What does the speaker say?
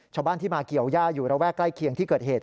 ชาวบ้านที่มาเกี่ยวย่าอยู่ระแวกใกล้เคียงที่เกิดเหตุ